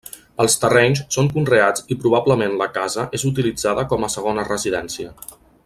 Els terrenys són conreats i probablement la casa és utilitzada com a segona residència.